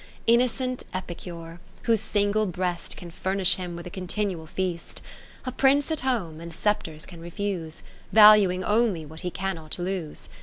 Innocent epicure ! whose single breast Can furnish him with a continual feast. A Prince at home, and sceptres can refuse ; Valuing only what he cannot lose.